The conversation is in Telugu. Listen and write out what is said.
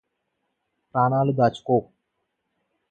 ప్రాణాలు దాచుకో